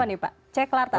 apa nih pak cek lartas